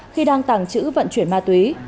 khi đang tàng chữ vận chuyển ma túy